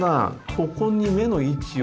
ここに目の位置を。